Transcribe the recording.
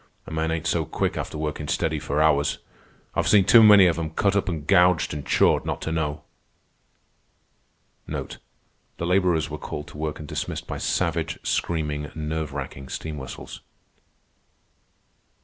A man ain't so quick after workin' steady for hours. I've seen too many of 'em cut up an' gouged an' chawed not to know." The laborers were called to work and dismissed by savage, screaming, nerve racking steam whistles.